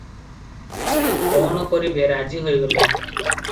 କଣ କରିବେ, ରାଜି ହୋଇଗଲେ ।